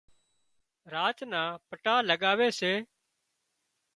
راچ نان پٽا لڳاوي سي